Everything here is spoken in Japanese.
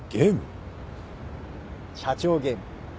社長ゲーム。